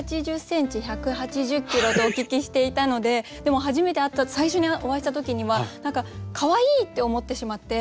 １８０ｃｍ１８０ｋｇとお聞きしていたのででも初めて会った最初にお会いした時には何かかわいい！って思ってしまって。